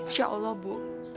insya allah bu